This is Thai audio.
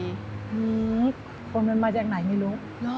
คนมันมาจากไหนไม่รู้